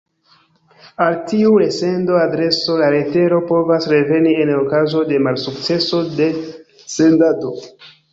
Al tiu resendo-adreso la letero povas reveni en okazo de malsukceso de sendado.